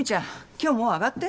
今日もう上がって。